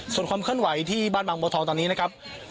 ส่วนความเคลื่อนไหวที่บ้านบางบัวทองตอนนี้นะครับ